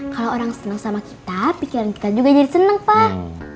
kalau orang senang sama kita pikiran kita juga jadi senang pak